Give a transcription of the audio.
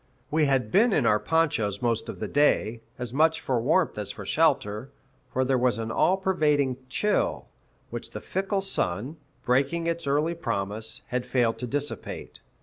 We had been in our ponchos most of the day, as much for warmth as for shelter; for there was an all pervading chill, which the fickle sun, breaking its early promise, had failed to dissipate.